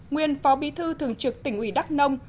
nguyên phó bí thư thường trực tỉnh ủy đắk nông